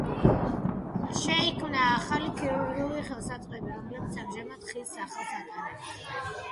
შექმნა ახალი ქირურგიული ხელსაწყოები, რომლებიც ამჟამად მის სახელს ატარებს.